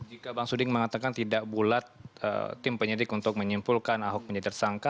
jika bang suding mengatakan tidak bulat tim penyidik untuk menyimpulkan ahok menjadi tersangka